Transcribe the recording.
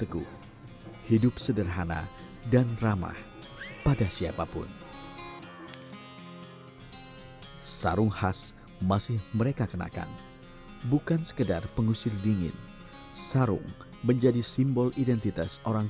kami berdoa untuk orang orang yang berkembang